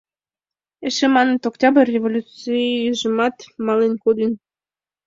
Эше маныт: Октябрь революцийжымат мален кодын.